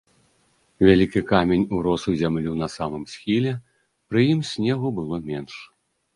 Вялікі камень урос у зямлю на самым схіле, пры ім снегу было менш.